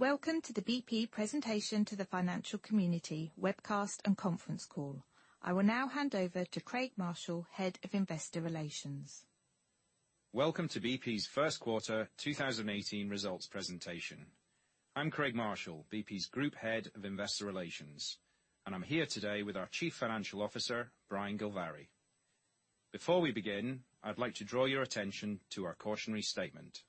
Welcome to the BP presentation to the financial community webcast and conference call. I will now hand over to Craig Marshall, Head of Investor Relations. Welcome to BP's first quarter 2018 results presentation. I'm Craig Marshall, BP's Group Head of Investor Relations, and I'm here today with our Chief Financial Officer, Brian Gilvary. Before we begin, I'd like to draw your attention to our cautionary statement.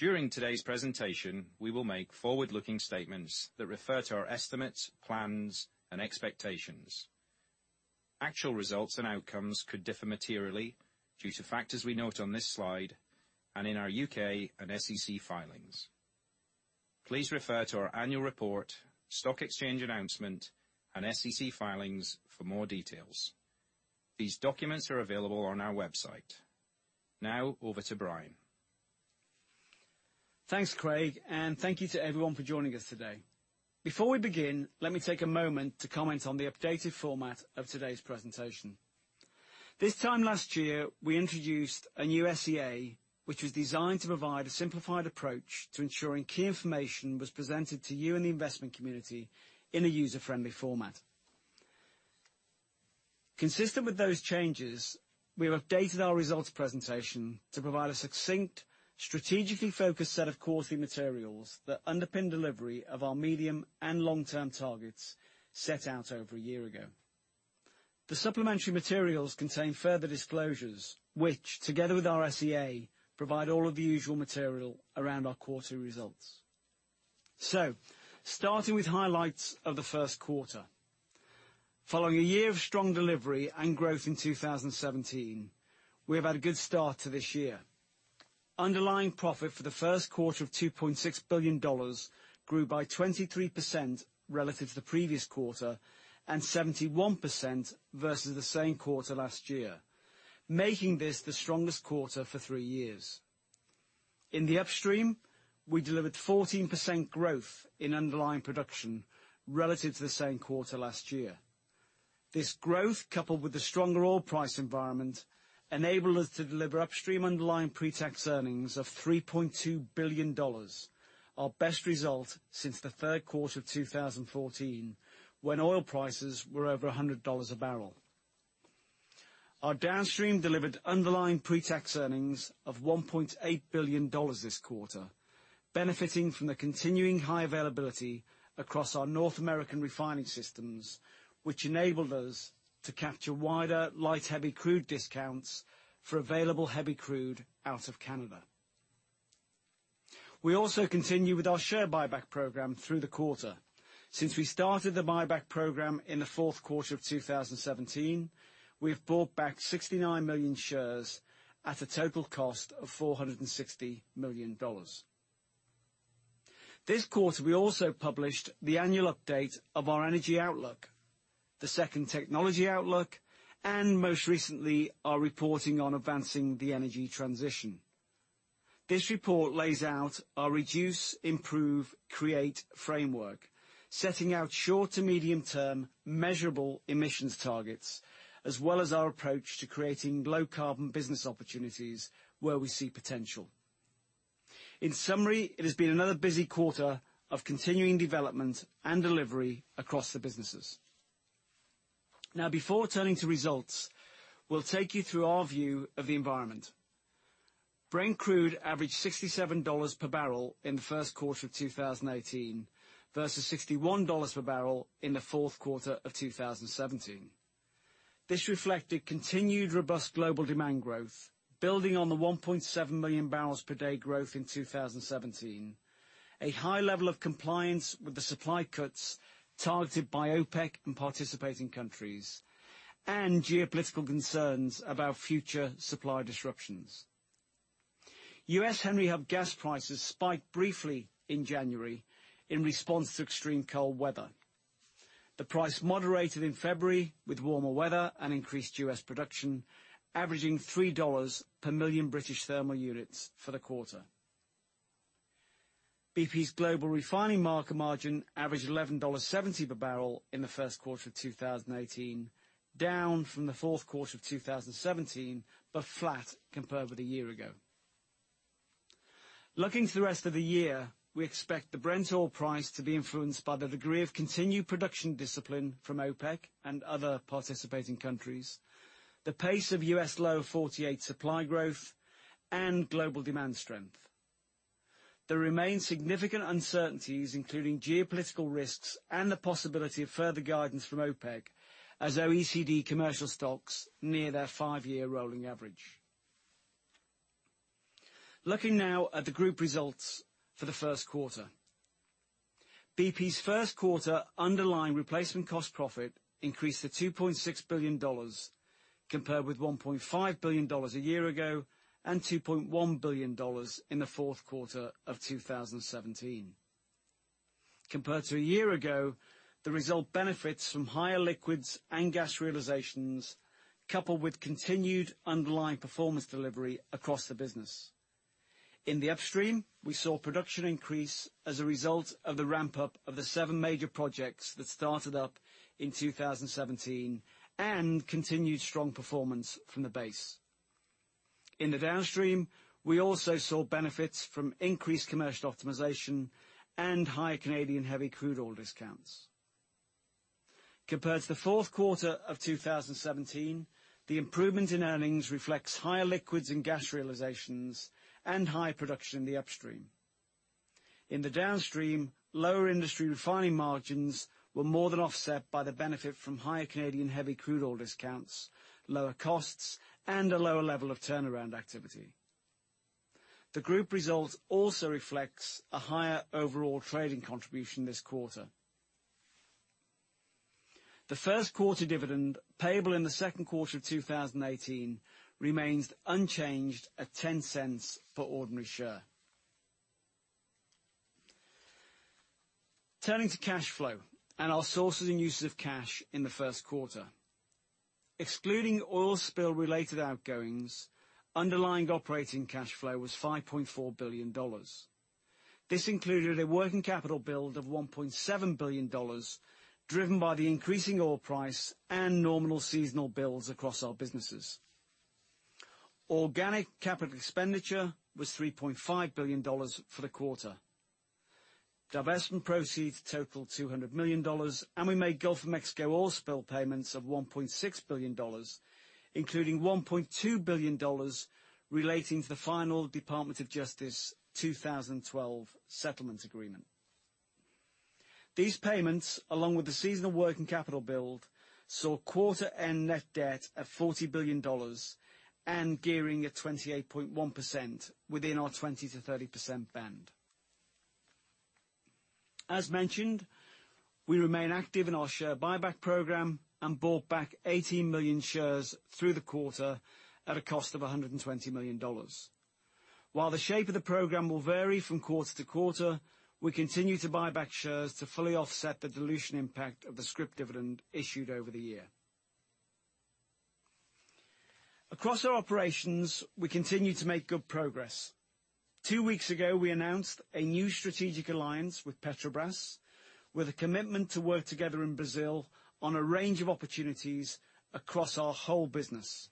During today's presentation, we will make forward-looking statements that refer to our estimates, plans, and expectations. Actual results and outcomes could differ materially due to factors we note on this slide and in our U.K. and SEC filings. Please refer to our annual report, stock exchange announcement, and SEC filings for more details. These documents are available on our website. Over to Brian. Thanks, Craig, thank you to everyone for joining us today. Before we begin, let me take a moment to comment on the updated format of today's presentation. This time last year, we introduced a new SEA, which was designed to provide a simplified approach to ensuring key information was presented to you and the investment community in a user-friendly format. Consistent with those changes, we have updated our results presentation to provide a succinct, strategically focused set of quarterly materials that underpin delivery of our medium and long-term targets set out over a year ago. The supplementary materials contain further disclosures, which, together with our SEA, provide all of the usual material around our quarterly results. Starting with highlights of the first quarter. Following a year of strong delivery and growth in 2017, we have had a good start to this year. Underlying profit for the first quarter of $2.6 billion grew by 23% relative to the previous quarter, 71% versus the same quarter last year, making this the strongest quarter for three years. In the upstream, we delivered 14% growth in underlying production relative to the same quarter last year. This growth, coupled with the stronger oil price environment, enabled us to deliver upstream underlying pre-tax earnings of $3.2 billion, our best result since the third quarter of 2014, when oil prices were over $100 a barrel. Our downstream delivered underlying pre-tax earnings of $1.8 billion this quarter, benefiting from the continuing high availability across our North American refining systems, which enabled us to capture wider light heavy crude discounts for available heavy crude out of Canada. We also continue with our share buyback program through the quarter. Since we started the buyback program in the fourth quarter of 2017, we've bought back 69 million shares at a total cost of $460 million. This quarter, we also published the annual update of our energy outlook, the second technology outlook, and most recently, our reporting on advancing the energy transition. This report lays out our reduce, improve, create framework, setting out short to medium-term measurable emissions targets, as well as our approach to creating low-carbon business opportunities where we see potential. In summary, it has been another busy quarter of continuing development and delivery across the businesses. Before turning to results, we'll take you through our view of the environment. Brent crude averaged $67 per barrel in the first quarter of 2018, versus $61 per barrel in the fourth quarter of 2017. This reflected continued robust global demand growth, building on the 1.7 million barrels per day growth in 2017, a high level of compliance with the supply cuts targeted by OPEC and participating countries, and geopolitical concerns about future supply disruptions. U.S. Henry Hub gas prices spiked briefly in January in response to extreme cold weather. The price moderated in February with warmer weather and increased U.S. production, averaging $3 per million British thermal units for the quarter. BP's global refining market margin averaged $11.70 per barrel in the first quarter of 2018, down from the fourth quarter of 2017, but flat compared with a year ago. Looking to the rest of the year, we expect the Brent oil price to be influenced by the degree of continued production discipline from OPEC and other participating countries, the pace of U.S. Lower 48 supply growth, and global demand strength. There remain significant uncertainties, including geopolitical risks and the possibility of further guidance from OPEC, as OECD commercial stocks near their five-year rolling average. Looking now at the group results for the first quarter. BP's first quarter underlying replacement cost profit increased to $2.6 billion, compared with $1.5 billion a year ago and $2.1 billion in the fourth quarter of 2017. Compared to a year ago, the result benefits from higher liquids and gas realizations, coupled with continued underlying performance delivery across the business. In the upstream, we saw production increase as a result of the ramp-up of the seven major projects that started up in 2017, and continued strong performance from the base. In the downstream, we also saw benefits from increased commercial optimization and higher Canadian heavy crude oil discounts. Compared to the fourth quarter of 2017, the improvement in earnings reflects higher liquids and gas realizations and high production in the upstream. In the downstream, lower industry refining margins were more than offset by the benefit from higher Canadian heavy crude oil discounts, lower costs, and a lower level of turnaround activity. The group results also reflects a higher overall trading contribution this quarter. The first quarter dividend payable in the second quarter of 2018 remains unchanged at $0.10 per ordinary share. Turning to cash flow and our sources and uses of cash in the first quarter. Excluding oil spill related outgoings, underlying operating cash flow was $5.4 billion. This included a working capital build of $1.7 billion, driven by the increasing oil price and nominal seasonal builds across our businesses. Organic capital expenditure was $3.5 billion for the quarter. Divestment proceeds totaled $200 million. We made Gulf of Mexico oil spill payments of $1.6 billion, including $1.2 billion relating to the final Department of Justice 2012 settlement agreement. These payments, along with the seasonal working capital build, saw quarter end net debt of $40 billion and gearing at 28.1% within our 20%-30% band. As mentioned, we remain active in our share buyback program and bought back 18 million shares through the quarter at a cost of $120 million. While the shape of the program will vary from quarter to quarter, we continue to buy back shares to fully offset the dilution impact of the scrip dividend issued over the year. Across our operations, we continue to make good progress. Two weeks ago, we announced a new strategic alliance with Petrobras, with a commitment to work together in Brazil on a range of opportunities across our whole business.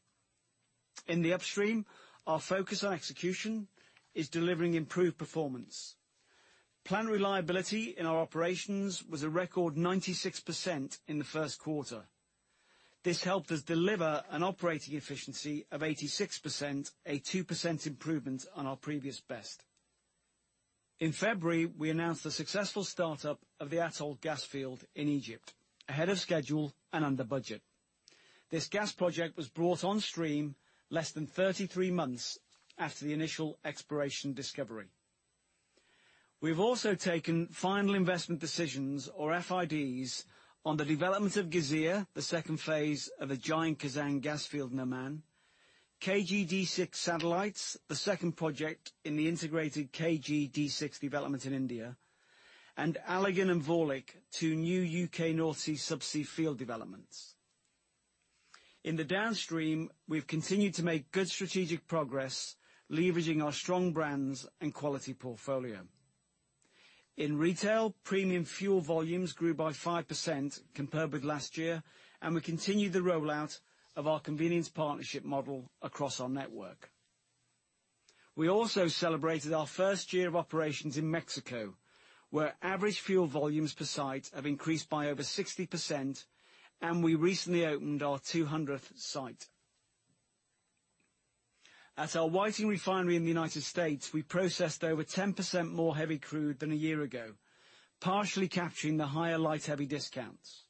In the upstream, our focus on execution is delivering improved performance. Plan reliability in our operations was a record 96% in the first quarter. This helped us deliver an operating efficiency of 86%, a 2% improvement on our previous best. In February, we announced the successful startup of the Atoll gas field in Egypt, ahead of schedule and under budget. This gas project was brought on stream less than 33 months after the initial exploration discovery. We've also taken final investment decisions or FIDs on the development of Ghazeer, the second phase of a giant Khazzan gas field in Oman, KGD-6 satellites, the second project in the integrated KGD-6 development in India, and Alligin and Vorlich, two new U.K. North Sea subsea field developments. In the downstream, we've continued to make good strategic progress leveraging our strong brands and quality portfolio. In retail, premium fuel volumes grew by 5% compared with last year. We continued the rollout of our convenience partnership model across our network. We also celebrated our first year of operations in Mexico, where average fuel volumes per site have increased by over 60%, and we recently opened our 200th site. At our Whiting Refinery in the U.S., we processed over 10% more heavy crude than a year ago, partially capturing the higher light heavy discounts.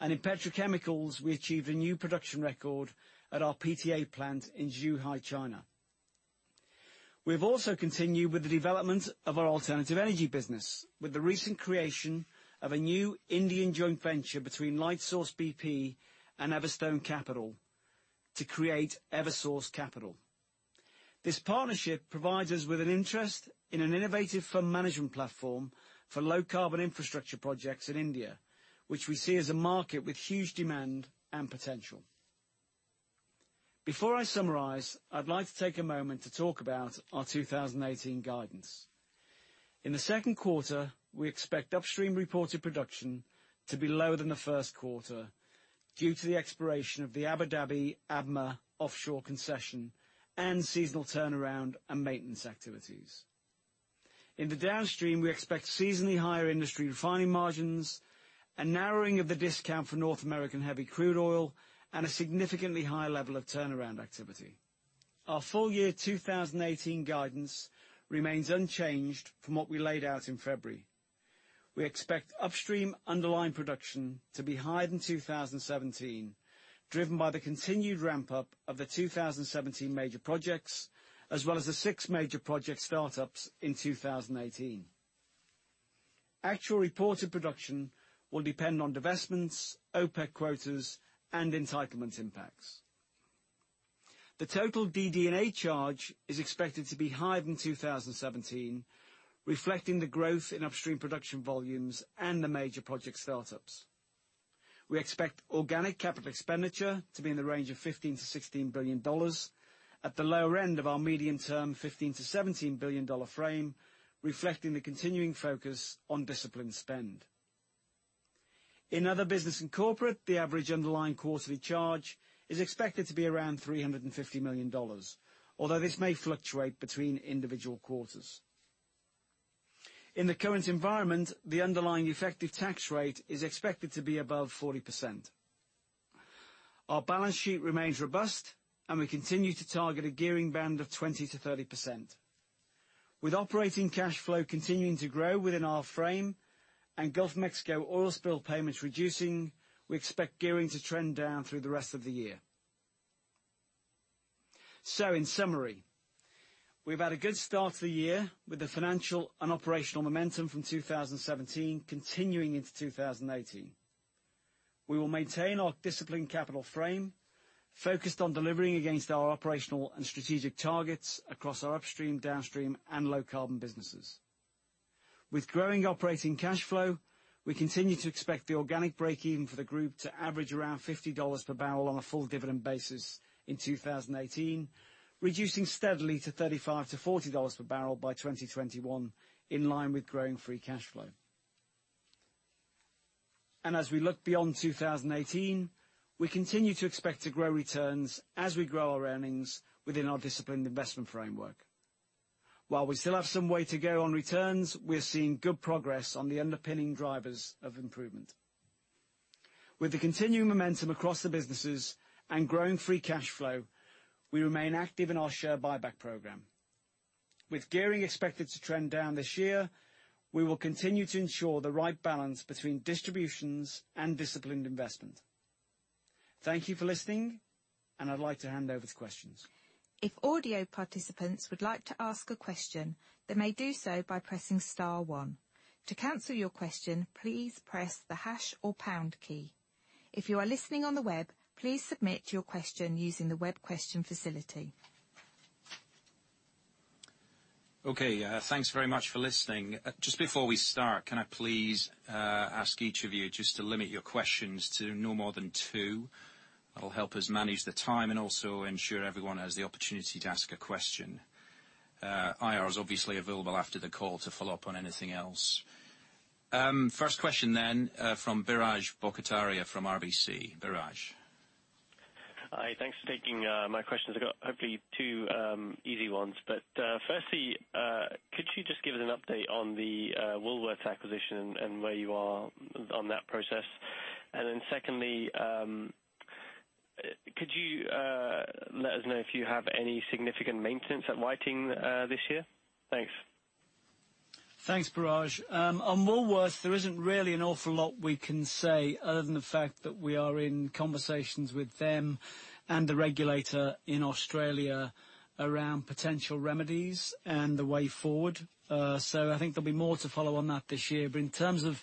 In petrochemicals, we achieved a new production record at our PTA plant in Zhuhai, China. We have also continued with the development of our alternative energy business with the recent creation of a new Indian joint venture between Lightsource BP and Everstone Group to create EverSource Capital. This partnership provides us with an interest in an innovative firm management platform for low carbon infrastructure projects in India, which we see as a market with huge demand and potential. Before I summarize, I'd like to take a moment to talk about our 2018 guidance. In the second quarter, we expect upstream reported production to be lower than the first quarter due to the expiration of the Abu Dhabi ADMA offshore concession and seasonal turnaround and maintenance activities. In the downstream, we expect seasonally higher industry refining margins, a narrowing of the discount for North American heavy crude oil, and a significantly higher level of turnaround activity. Our full year 2018 guidance remains unchanged from what we laid out in February. We expect upstream underlying production to be higher than 2017, driven by the continued ramp-up of the 2017 major projects, as well as the six major project startups in 2018. Actual reported production will depend on divestments, OPEC quotas, and entitlement impacts. The total DD&A charge is expected to be higher than 2017, reflecting the growth in upstream production volumes and the major project startups. We expect organic capital expenditure to be in the range of $15 billion-$16 billion, at the lower end of our medium-term $15 billion-$17 billion frame, reflecting the continuing focus on disciplined spend. In other business and corporate, the average underlying quarterly charge is expected to be around $350 million, although this may fluctuate between individual quarters. In the current environment, the underlying effective tax rate is expected to be above 40%. Our balance sheet remains robust, and we continue to target a gearing band of 20%-30%. With operating cash flow continuing to grow within our frame and Gulf of Mexico oil spill payments reducing, we expect gearing to trend down through the rest of the year. In summary, we've had a good start to the year with the financial and operational momentum from 2017 continuing into 2018. We will maintain our disciplined capital frame, focused on delivering against our operational and strategic targets across our upstream, downstream and low-carbon businesses. With growing operating cash flow, we continue to expect the organic break-even for the group to average around $50 per barrel on a full dividend basis in 2018, reducing steadily to $35 per barrel-$40 per barrel by 2021, in line with growing free cash flow. As we look beyond 2018, we continue to expect to grow returns as we grow our earnings within our disciplined investment framework. While we still have some way to go on returns, we are seeing good progress on the underpinning drivers of improvement. With the continuing momentum across the businesses and growing free cash flow, we remain active in our share buyback program. With gearing expected to trend down this year, we will continue to ensure the right balance between distributions and disciplined investment. Thank you for listening, and I'd like to hand over to questions. If audio participants would like to ask a question, they may do so by pressing star one. To cancel your question, please press the hash or pound key. If you are listening on the web, please submit your question using the web question facility. Okay. Thanks very much for listening. Just before we start, can I please ask each of you just to limit your questions to no more than two? That'll help us manage the time and also ensure everyone has the opportunity to ask a question. IR is obviously available after the call to follow up on anything else. First question from Biraj Borkhataria from RBC. Biraj. Hi. Thanks for taking my questions. I've got hopefully two easy ones. Firstly, could you just give us an update on the Woolworths acquisition and where you are on that process? Secondly, could you let us know if you have any significant maintenance at Whiting this year? Thanks. Thanks, Biraj. On Woolworths, there isn't really an awful lot we can say other than the fact that we are in conversations with them and the regulator in Australia around potential remedies and the way forward. I think there'll be more to follow on that this year. In terms of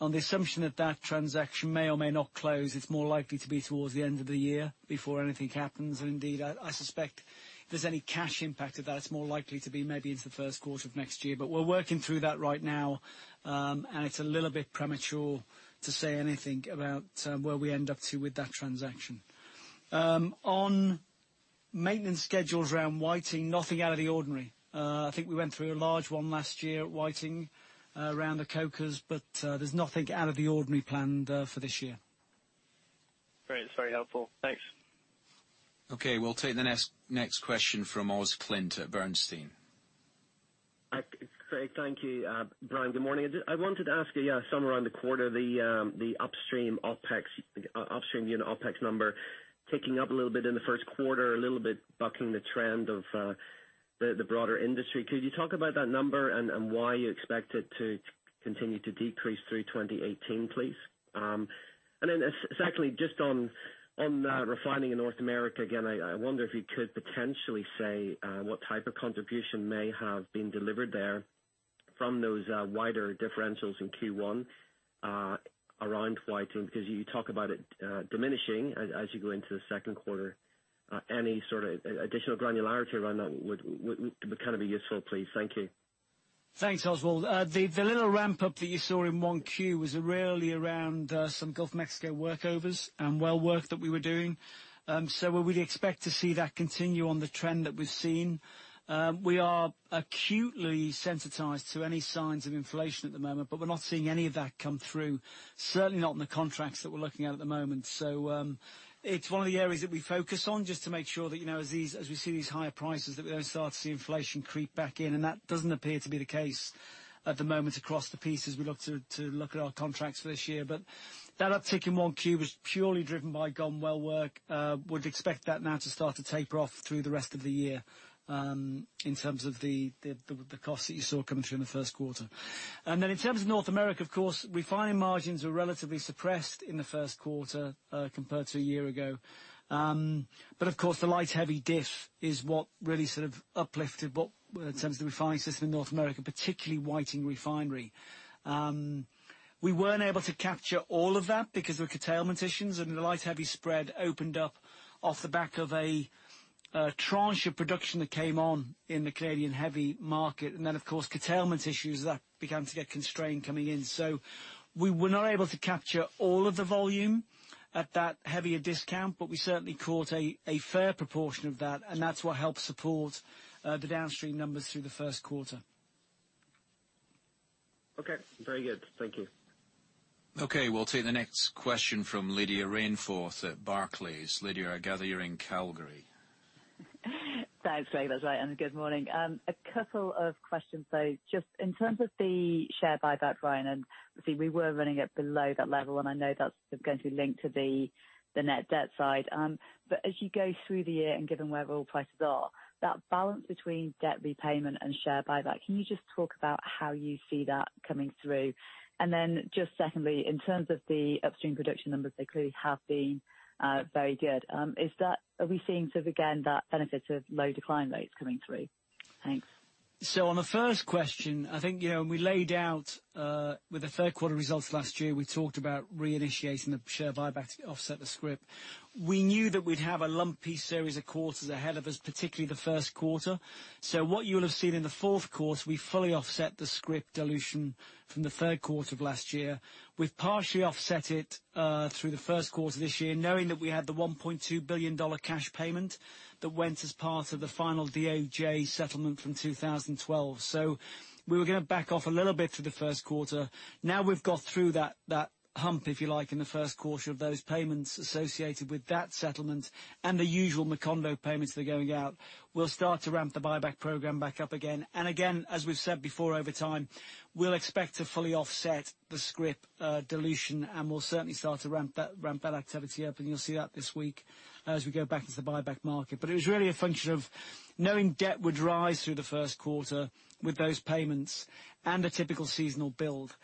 on the assumption that transaction may or may not close, it's more likely to be towards the end of the year before anything happens. Indeed, I suspect if there's any cash impact of that, it's more likely to be maybe into the first quarter of next year. We're working through that right now, and it's a little bit premature to say anything about where we end up to with that transaction. On maintenance schedules around Whiting, nothing out of the ordinary. I think we went through a large one last year at Whiting around the cokers, but there's nothing out of the ordinary planned for this year. Great. That's very helpful. Thanks. Okay, we'll take the next question from Oswald Clint at Bernstein. Great, thank you. Brian, good morning. I wanted to ask you somewhere around the quarter, the upstream unit OpEx number ticking up a little bit in the first quarter, a little bit bucking the trend of the broader industry. Could you talk about that number and why you expect it to continue to decrease through 2018, please? Secondly, just on refining in North America, again, I wonder if you could potentially say what type of contribution may have been delivered there from those wider differentials in Q1 around Whiting, because you talk about it diminishing as you go into the second quarter. Any sort of additional granularity around that would be useful, please. Thank you. Thanks, Oswald. The little ramp-up that you saw in 1Q was really around some Gulf of Mexico workovers and well work that we were doing. We'd expect to see that continue on the trend that we've seen. We are acutely sensitized to any signs of inflation at the moment, but we're not seeing any of that come through, certainly not in the contracts that we're looking at at the moment. It's one of the areas that we focus on just to make sure that as we see these higher prices, that we don't start to see inflation creep back in, and that doesn't appear to be the case at the moment across the pieces we look to look at our contracts for this year. That uptick in 1Q was purely driven by Gulf well work. Would expect that now to start to taper off through the rest of the year in terms of the costs that you saw coming through in the first quarter. In terms of North America, of course, refining margins were relatively suppressed in the first quarter compared to a year ago. Of course, the light heavy diff is what really sort of uplifted what in terms of the refining system in North America, particularly Whiting Refinery. We weren't able to capture all of that because of curtailment issues and the light heavy spread opened up off the back of a tranche of production that came on in the Canadian heavy market. Of course, curtailment issues that began to get constrained coming in. We were not able to capture all of the volume at that heavier discount, but we certainly caught a fair proportion of that, and that's what helped support the downstream numbers through the first quarter. Okay, very good. Thank you. Okay, we'll take the next question from Lydia Rainforth at Barclays. Lydia, I gather you're in Calgary. Thanks, Craig. That's right. Good morning. A couple of questions, though. Just in terms of the share buyback, Brian, obviously, we were running it below that level, and I know that's going to link to the net debt side. As you go through the year and given where oil prices are, that balance between debt repayment and share buyback, can you just talk about how you see that coming through? Just secondly, in terms of the upstream production numbers, they clearly have been very good. Are we seeing sort of, again, that benefit of low decline rates coming through? Thanks. On the first question, I think, when we laid out with the third quarter results last year, we talked about reinitiating the share buyback to offset the scrip. We knew that we'd have a lumpy series of quarters ahead of us, particularly the first quarter. What you'll have seen in the fourth quarter, we fully offset the scrip dilution from the third quarter of last year. We've partially offset it through the first quarter of this year, knowing that we had the $1.2 billion cash payment that went as part of the final DOJ settlement from 2012. We were going to back off a little bit through the first quarter. Now we've got through that hump, if you like, in the first quarter of those payments associated with that settlement and the usual Macondo payments that are going out. We'll start to ramp the buyback program back up again. Again, as we've said before, over time, we'll expect to fully offset the scrip dilution, and we'll certainly start to ramp that activity up, and you'll see that this week as we go back into the buyback market. It was really a function of knowing debt would rise through the first quarter with those payments and a typical seasonal build.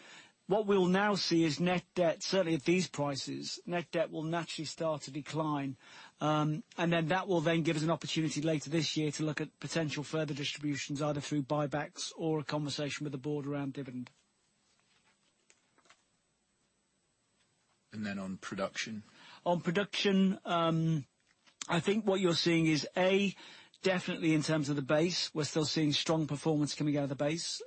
What we'll now see is net debt, certainly at these prices, net debt will naturally start to decline. That will then give us an opportunity later this year to look at potential further distributions, either through buybacks or a conversation with the board around dividend. On production? On production, I think what you're seeing is, A, definitely in terms of the base, we're still seeing strong performance coming out of the base.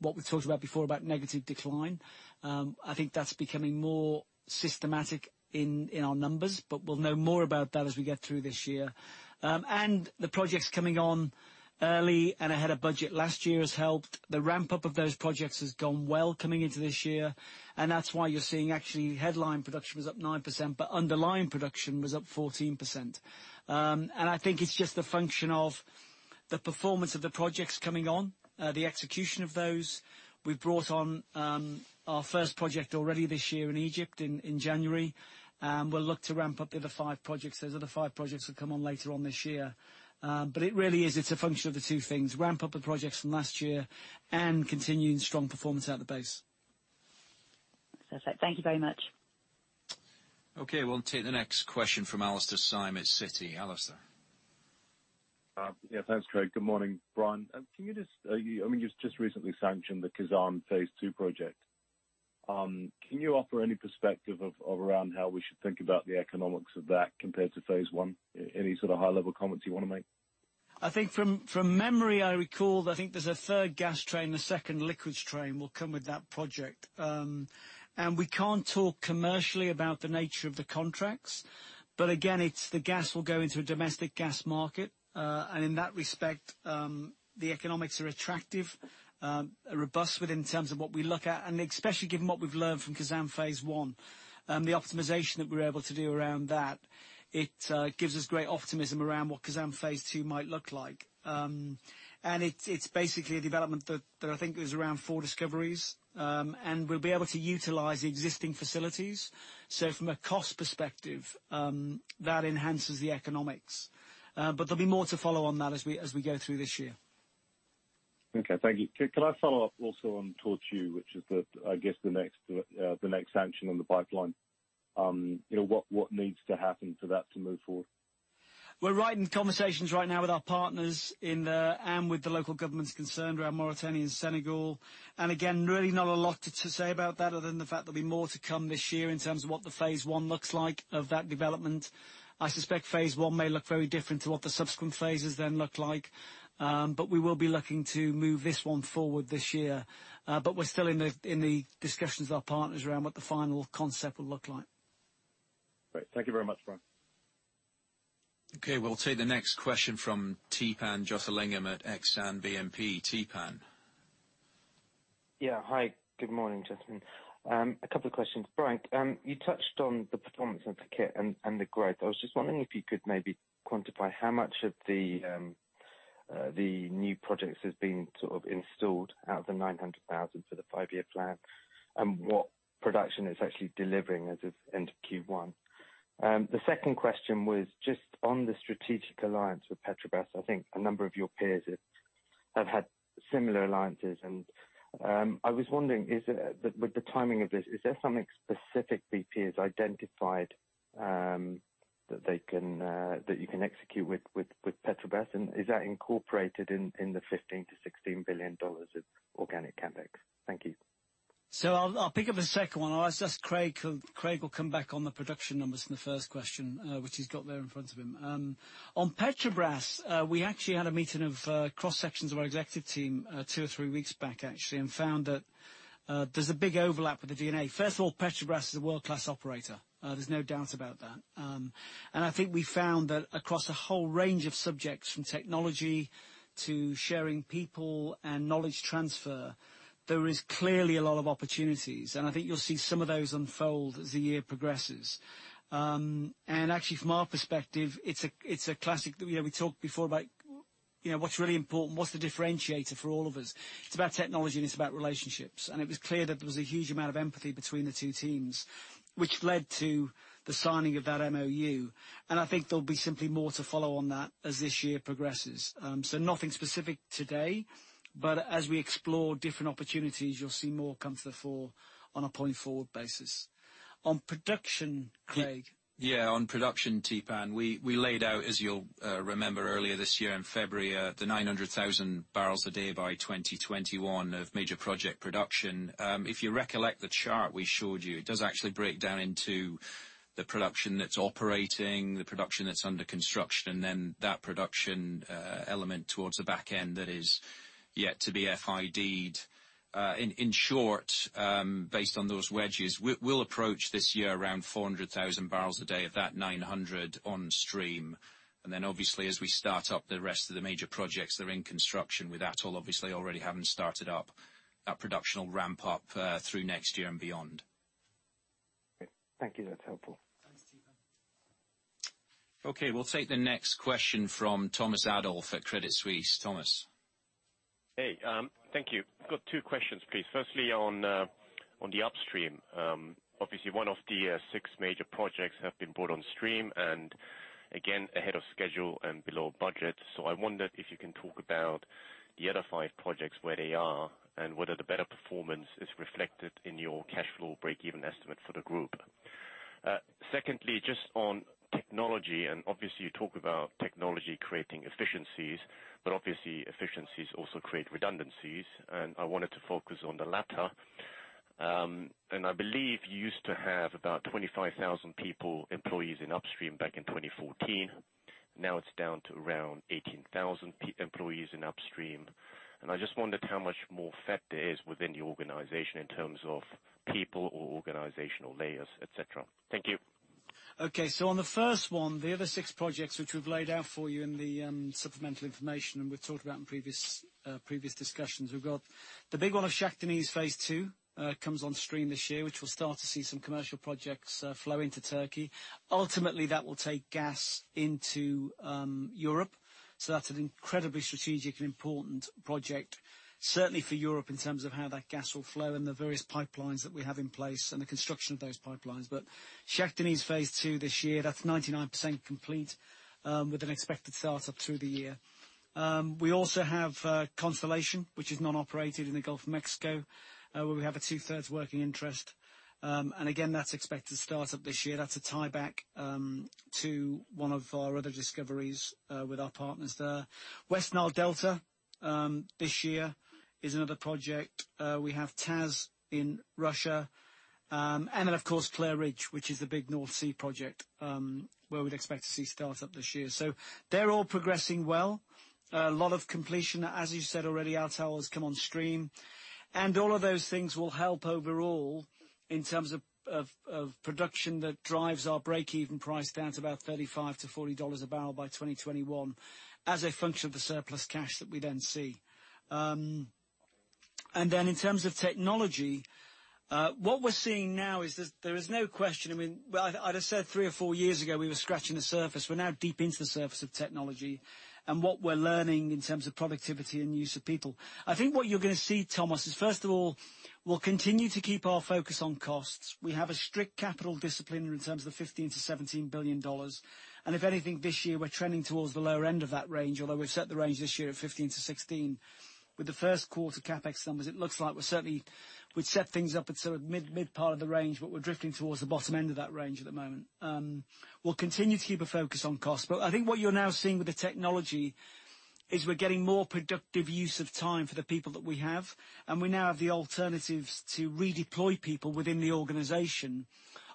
What we talked about before about negative decline, I think that's becoming more systematic in our numbers, but we'll know more about that as we get through this year. The projects coming on early and ahead of budget last year has helped. The ramp-up of those projects has gone well coming into this year, and that's why you're seeing actually headline production was up 9%, but underlying production was up 14%. I think it's just the function of the performance of the projects coming on, the execution of those. We've brought on our first project already this year in Egypt in January. We'll look to ramp up the other five projects. Those other five projects will come on later on this year. It really is, it's a function of the two things, ramp up the projects from last year and continuing strong performance out the base. That's it. Thank you very much. Okay, we'll take the next question from Alastair Syme at Citi. Alastair. Yeah. Thanks, Craig. Good morning, Brian. You just recently sanctioned the Khazzan Phase 2 project. Can you offer any perspective of around how we should think about the economics of that compared to Phase 1? Any sort of high-level comments you want to make? I think from memory, I recall, I think there's a third gas train, the second liquids train will come with that project. We can't talk commercially about the nature of the contracts. Again, it's the gas will go into a domestic gas market. In that respect, the economics are attractive, are robust within terms of what we look at, and especially given what we've learned from Khazzan Phase 1. The optimization that we're able to do around that, it gives us great optimism around what Khazzan Phase 2 might look like. It's basically a development that I think is around four discoveries, and we'll be able to utilize the existing facilities. From a cost perspective, that enhances the economics. There'll be more to follow on that as we go through this year. Okay, thank you. Could I follow up also on Tortue, which is the, I guess, the next sanction on the pipeline. What needs to happen to that to move forward? We're right in conversations right now with our partners and with the local governments concerned around Mauritania and Senegal. Again, really not a lot to say about that other than the fact there'll be more to come this year in terms of what the Phase 1 looks like of that development. I suspect Phase 1 may look very different to what the subsequent phases then look like. We will be looking to move this one forward this year. We're still in the discussions with our partners around what the final concept will look like. Great. Thank you very much, Brian. Okay, we'll take the next question from Theepan Jothilingam at Exane BNP Paribas. Theepan. Yeah. Hi, good morning, gentlemen. A couple of questions. Brian, you touched on the performance of the kit and the growth. I was just wondering if you could maybe quantify how much of the new projects has been sort of installed out of the 900,000 for the five-year plan, and what production it's actually delivering as of end of Q1. The second question was just on the strategic alliance with Petrobras. I think a number of your peers have had similar alliances, and I was wondering, with the timing of this, is there something specific BP has identified that you can execute with Petrobras? Is that incorporated in the $15 billion-$16 billion of organic CapEx? Thank you. I'll pick up the second one. I'll ask Craig. Craig will come back on the production numbers in the first question, which he's got there in front of him. On Petrobras, we actually had a meeting of cross-sections of our executive team two or three weeks back, actually, and found that there's a big overlap with the DNA. First of all, Petrobras is a world-class operator. There's no doubt about that. I think we found that across a whole range of subjects, from technology to sharing people and knowledge transfer, there is clearly a lot of opportunities. I think you'll see some of those unfold as the year progresses. Actually, from our perspective, it's a classic that we talked before about What's really important, what's the differentiator for all of us? It's about technology and it's about relationships. It was clear that there was a huge amount of empathy between the two teams, which led to the signing of that MOU. I think there'll be simply more to follow on that as this year progresses. Nothing specific today, but as we explore different opportunities, you'll see more come to the fore on a point-forward basis. On production, Craig? On production, Theepan, we laid out, as you'll remember earlier, this year in February, the 900,000 barrels a day by 2021 of major project production. If you recollect the chart we showed you, it does actually break down into the production that's operating, the production that's under construction, and then that production element towards the back end that is yet to be FID'd. In short, based on those wedges, we'll approach this year around 400,000 barrels a day of that 900 on stream. Then obviously, as we start up the rest of the major projects that are in construction, with Atoll obviously already having started up, that production will ramp up through next year and beyond. Great. Thank you. That's helpful. Thanks, Theepan. We'll take the next question from Thomas Adolff at Credit Suisse. Thomas. Hey. Thank you. Got 2 questions, please. Firstly, on the upstream. Obviously one of the 6 major projects have been brought on stream, and again, ahead of schedule and below budget. I wondered if you can talk about the other 5 projects, where they are, and whether the better performance is reflected in your cash flow breakeven estimate for the group. Secondly, just on technology, you talk about technology creating efficiencies, but efficiencies also create redundancies, and I wanted to focus on the latter. I believe you used to have about 25,000 people, employees in upstream back in 2014. Now it's down to around 18,000 employees in upstream. I just wondered how much more fat there is within the organization in terms of people or organizational layers, et cetera. Thank you. Okay. On the 1st one, the other 6 projects which we've laid out for you in the supplemental information, and we've talked about in previous discussions. We've got the big one of Shah Deniz Phase 2 comes on stream this year, which will start to see some commercial projects flow into Turkey. Ultimately, that will take gas into Europe. That's an incredibly strategic and important project, certainly for Europe in terms of how that gas will flow and the various pipelines that we have in place and the construction of those pipelines. Shah Deniz Phase 2 this year, that's 99% complete, with an expected start-up through the year. We also have Constellation, which is non-operated in the Gulf of Mexico, where we have a two-thirds working interest. Again, that's expected to start up this year. That's a tieback to one of our other discoveries with our partners there. West Nile Delta this year is another project. We have Taas in Russia. Of course Clair Ridge, which is the big North Sea project, where we'd expect to see start up this year. They're all progressing well. A lot of completion. As you said already, Atoll has come on stream. All of those things will help overall in terms of production that drives our breakeven price down to about $35-$40 a barrel by 2021 as a function of the surplus cash that we then see. In terms of technology, what we're seeing now is there is no question I'd have said three or four years ago, we were scratching the surface. We're now deep into the surface of technology and what we're learning in terms of productivity and use of people. I think what you're going to see, Thomas, is 1st of all, we'll continue to keep our focus on costs. We have a strict capital discipline in terms of the $15 billion-$17 billion. If anything, this year we're trending towards the lower end of that range. Although we've set the range this year at 15-16. With the 1st quarter CapEx numbers, it looks like We'd set things up at sort of mid part of the range, but we're drifting towards the bottom end of that range at the moment. We'll continue to keep a focus on cost. I think what you're now seeing with the technology is we're getting more productive use of time for the people that we have. We now have the alternatives to redeploy people within the organization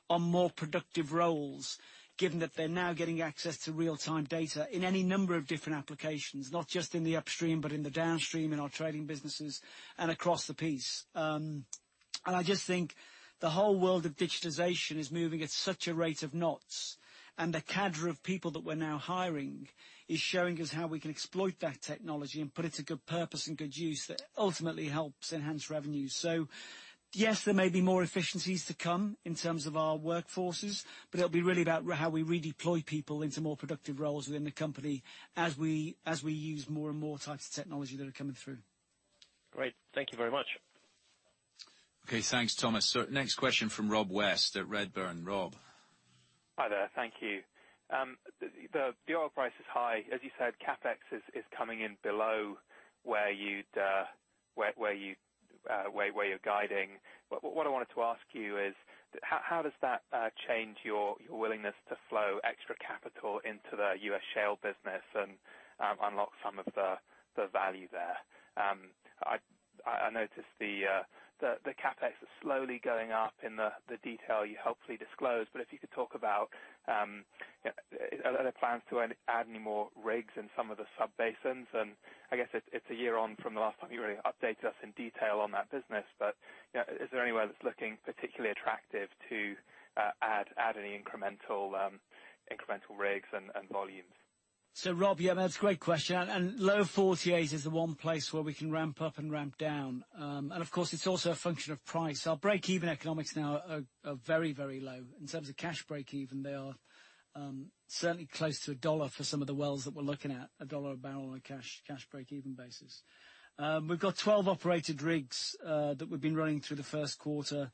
on more productive roles, given that they're now getting access to real-time data in any number of different applications. Not just in the upstream, but in the downstream, in our trading businesses and across the piece. I just think the whole world of digitization is moving at such a rate of knots, and the cadre of people that we're now hiring is showing us how we can exploit that technology and put it to good purpose and good use that ultimately helps enhance revenues. Yes, there may be more efficiencies to come in terms of our workforces, but it'll be really about how we redeploy people into more productive roles within the company as we use more and more types of technology that are coming through. Great. Thank you very much. Okay. Thanks, Thomas. Next question from Rob West at Redburn. Rob. Hi there. Thank you. The oil price is high. As you said, CapEx is coming in below where you're guiding. What I wanted to ask you is how does that change your willingness to flow extra capital into the U.S. shale business and unlock some of the value there? I noticed the CapEx is slowly going up in the detail you helpfully disclosed, but if you could talk about are there plans to add any more rigs in some of the sub-basins? I guess it's a year on from the last time you really updated us in detail on that business. Is there anywhere that's looking particularly attractive to add any incremental rigs and volumes? Rob, yeah, that's a great question. Lower 48 is the one place where we can ramp up and ramp down. Of course it's also a function of price. Our breakeven economics now are very, very low. In terms of cash breakeven, certainly close to $1 for some of the wells that we're looking at. $1 a barrel on a cash breakeven basis. We've got 12 operated rigs that we've been running through the first quarter.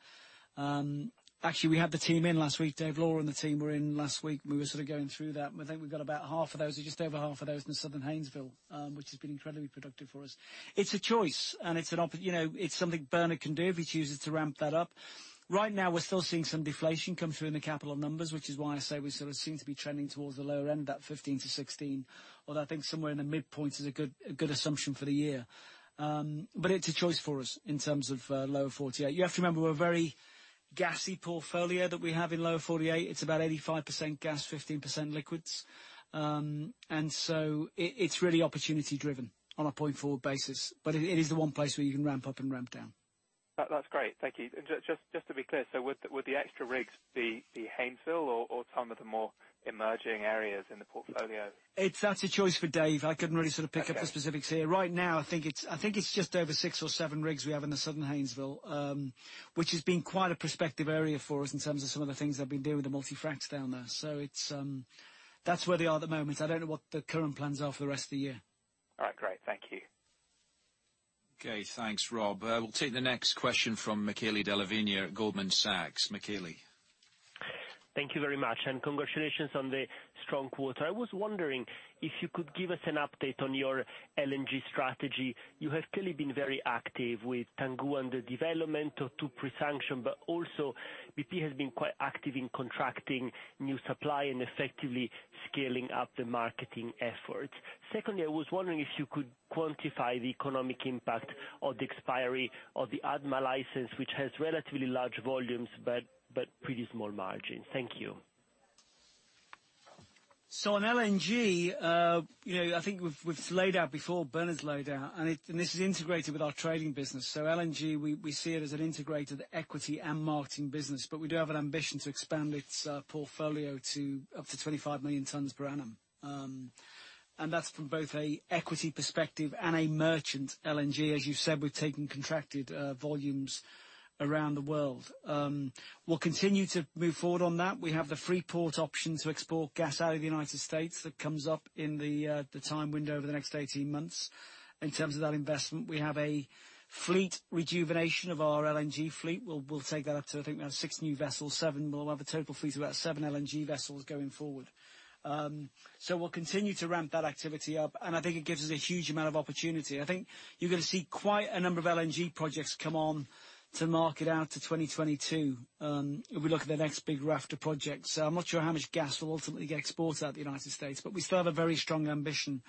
Actually, we had the team in last week. Dave Lawler and the team were in last week. We were sort of going through that. I think we've got about half of those, or just over half of those, in the Southern Haynesville, which has been incredibly productive for us. It's a choice, and it's something Bernard can do if he chooses to ramp that up. Right now, we're still seeing some deflation come through in the capital numbers, which is why I say we sort of seem to be trending towards the lower end, that $15-$16. Although I think somewhere in the midpoint is a good assumption for the year. It's a choice for us in terms of Lower 48. You have to remember, we're a very gassy portfolio that we have in Lower 48. It's about 85% gas, 15% liquids. It's really opportunity driven on a point-forward basis. It is the one place where you can ramp up and ramp down. That's great. Thank you. Just to be clear, would the extra rigs be Haynesville or some of the more emerging areas in the portfolio? That's a choice for Dave. I couldn't really sort of pick up the specifics here. Right now, I think it's just over six or seven rigs we have in the Southern Haynesville, which has been quite a prospective area for us in terms of some of the things they've been doing with the multi-fracs down there. That's where they are at the moment. I don't know what the current plans are for the rest of the year. All right, great. Thank you. Okay, thanks, Rob. We'll take the next question from Michele Della Vigna at Goldman Sachs. Michele. Thank you very much, and congratulations on the strong quarter. I was wondering if you could give us an update on your LNG strategy. You have clearly been very active with Tangguh and the development of two pre-sanction, but also BP has been quite active in contracting new supply and effectively scaling up the marketing efforts. Secondly, I was wondering if you could quantify the economic impact of the expiry of the ADMA license, which has relatively large volumes but pretty small margins. Thank you. On LNG, I think we've laid out before, Bernard's laid out, and this is integrated with our trading business. LNG, we see it as an integrated equity and marketing business. We do have an ambition to expand its portfolio up to 25 million tons per annum. That's from both an equity perspective and a merchant LNG. As you've said, we've taken contracted volumes around the world. We'll continue to move forward on that. We have the Freeport option to export gas out of the U.S. That comes up in the time window over the next 18 months. In terms of that investment, we have a fleet rejuvenation of our LNG fleet. We'll take that up to, I think we have six new vessels, seven. We'll have a total fleet of about seven LNG vessels going forward. We'll continue to ramp that activity up, and I think it gives us a huge amount of opportunity. I think you're going to see quite a number of LNG projects come on to market out to 2022. If we look at the next big raft of projects, I'm not sure how much gas will ultimately get exported out of the United States, but we still have a very strong ambition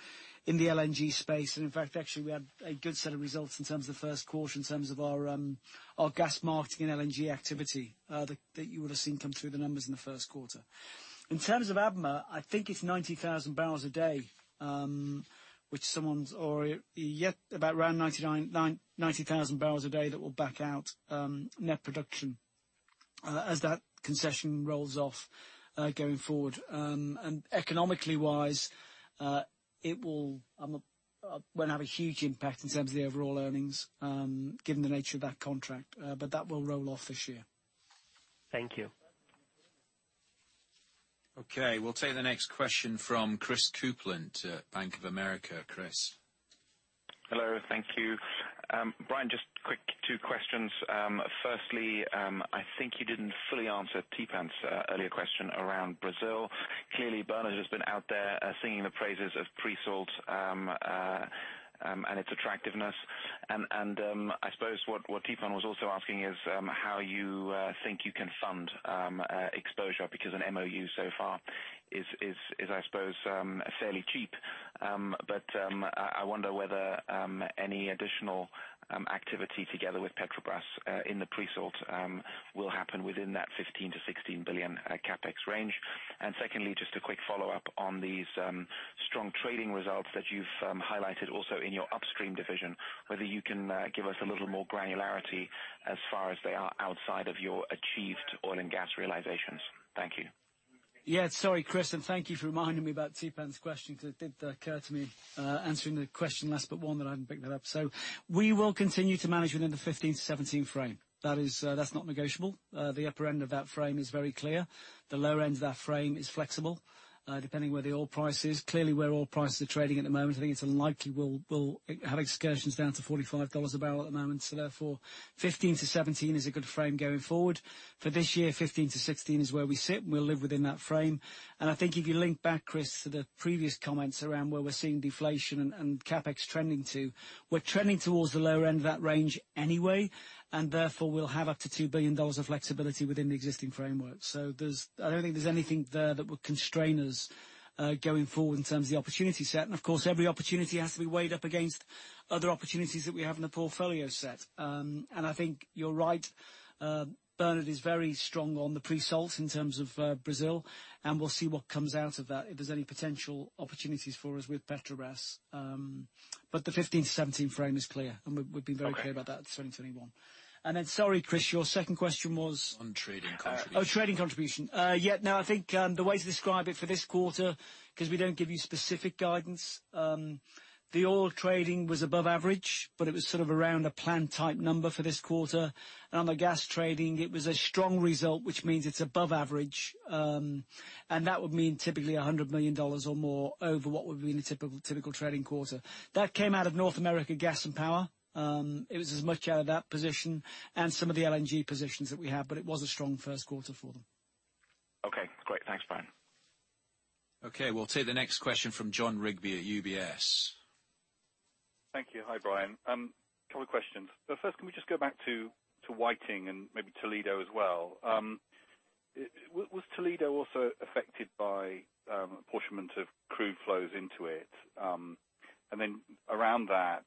in the LNG space. In fact, actually, we had a good set of results in terms of the first quarter in terms of our gas marketing LNG activity that you would have seen come through the numbers in the first quarter. In terms of ADMA, I think it's 90,000 barrels a day that will back out net production as that concession rolls off going forward. Economically-wise, it won't have a huge impact in terms of the overall earnings, given the nature of that contract. That will roll off this year. Thank you. We'll take the next question from Christopher Kuplent to Bank of America. Chris. Hello. Thank you. Brian, just quick two questions. Firstly, I think you didn't fully answer Theepan's earlier question around Brazil. Clearly, Bernard has been out there singing the praises of pre-salt and its attractiveness. I suppose what Theepan was also asking is how you think you can fund exposure, because an MOU so far is, I suppose, fairly cheap. I wonder whether any additional activity together with Petrobras in the pre-salt will happen within that $15 billion-$16 billion CapEx range. Secondly, just a quick follow-up on these strong trading results that you've highlighted also in your Upstream division, whether you can give us a little more granularity as far as they are outside of your achieved oil and gas realizations. Thank you. Sorry, Chris, and thank you for reminding me about Theepan's question because it did occur to me answering the question last, but one that I hadn't picked that up. We will continue to manage within the $15-$17 frame. That's not negotiable. The upper end of that frame is very clear. The lower end of that frame is flexible, depending where the oil price is. Clearly, where oil prices are trading at the moment, I think it's unlikely we'll have excursions down to $45 a barrel at the moment. Therefore, $15-$17 is a good frame going forward. For this year, $15-$16 is where we sit, and we'll live within that frame. I think if you link back, Chris, to the previous comments around where we're seeing deflation and CapEx trending to, we're trending towards the lower end of that range anyway, and therefore we'll have up to $2 billion of flexibility within the existing framework. I don't think there's anything there that would constrain us going forward in terms of the opportunity set. Of course, every opportunity has to be weighed up against other opportunities that we have in the portfolio set. I think you're right. Bernard is very strong on the pre-salt in terms of Brazil, and we'll see what comes out of that, if there's any potential opportunities for us with Petrobras. The $15-$17 frame is clear, and we've been very clear about that at 2021. Sorry, Chris, your second question was? On trading contribution. Oh, trading contribution. Yeah. I think the way to describe it for this quarter, because we don't give you specific guidance, the oil trading was above average, but it was sort of around a plan-type number for this quarter. On the gas trading, it was a strong result, which means it's above average. That would mean typically $100 million or more over what would be in a typical trading quarter. That came out of North America gas and power. It was as much out of that position and some of the LNG positions that we have, but it was a strong first quarter for them. Okay, great. Thanks, Brian. Okay, we'll take the next question from Jon Rigby at UBS. Thank you. Hi, Brian. Couple of questions. First, can we just go back to Whiting and maybe Toledo as well. Was Toledo also affected by apportionment of crude flows into it? Around that,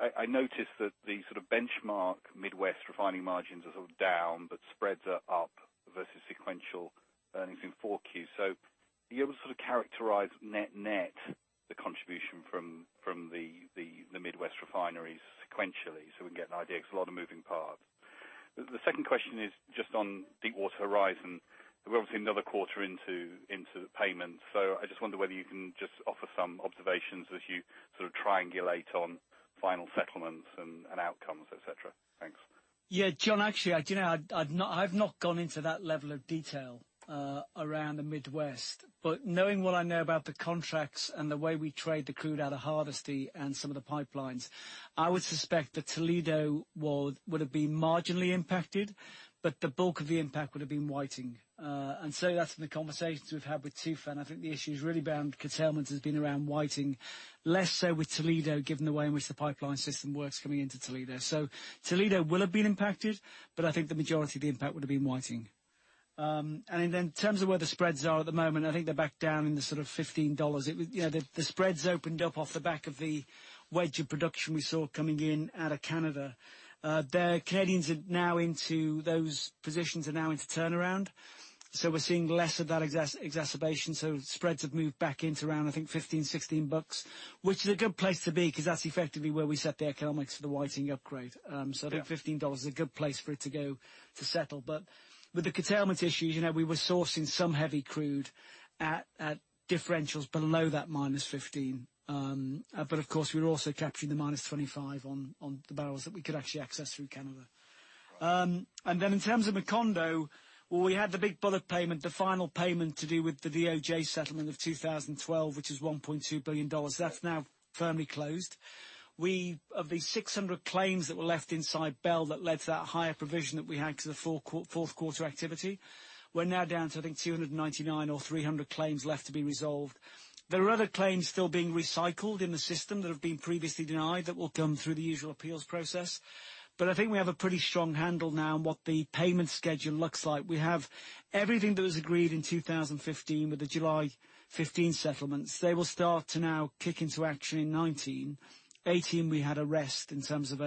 I noticed that the sort of benchmark Midwest refining margins are sort of down, but spreads are up versus sequential earnings in 4Q. Are you able to sort of characterize net-net the contribution from the Midwest refineries sequentially so we can get an idea? Because a lot of moving parts. The second question is just on Deepwater Horizon. We're obviously another quarter into the payments. I just wonder whether you can just offer some observations as you sort of triangulate on final settlements and outcomes, et cetera. Thanks. Jon, actually, do you know, I've not gone into that level of detail around the Midwest. Knowing what I know about the contracts and the way we trade the crude out of Hardisty and some of the pipelines, I would suspect that Toledo would have been marginally impacted. That's in the conversations we've had with TOFA, and I think the issue has really been, curtailment has been around Whiting, less so with Toledo, given the way in which the pipeline system works coming into Toledo. Toledo will have been impacted, but I think the majority of the impact would've been Whiting. In terms of where the spreads are at the moment, I think they're back down in the sort of $15. The spreads opened up off the back of the wave of production we saw coming in out of Canada. The Canadians are now into turnaround. We're seeing less of that exacerbation. Spreads have moved back into around, I think, $15, $16, which is a good place to be, because that's effectively where we set the economics for the Whiting upgrade. Yeah. I think $15 is a good place for it to go to settle. With the curtailment issues, we were sourcing some heavy crude at differentials below that -$15. Of course, we were also capturing the -$25 on the barrels that we could actually access through Canada. In terms of Macondo, well, we had the big bullet payment, the final payment to do with the DOJ settlement of 2012, which is $1.2 billion. That's now firmly closed. Of the 600 claims that were left inside BEL that led to that higher provision that we had because of fourth quarter activity, we're now down to, I think, 299 or 300 claims left to be resolved. There are other claims still being recycled in the system that have been previously denied that will come through the usual appeals process. I think we have a pretty strong handle now on what the payment schedule looks like. We have everything that was agreed in 2015 with the July 2015 settlements. They will start to now kick into action in 2019. 2018 we had a rest in terms of